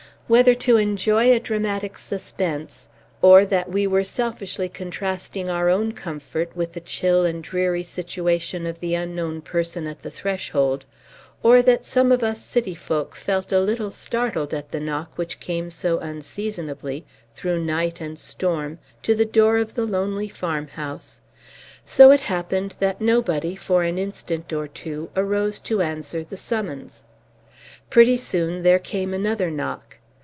Whether to enjoy a dramatic suspense, or that we were selfishly contrasting our own comfort with the chill and dreary situation of the unknown person at the threshold, or that some of us city folk felt a little startled at the knock which came so unseasonably, through night and storm, to the door of the lonely farmhouse, so it happened that nobody, for an instant or two, arose to answer the summons. Pretty soon there came another knock.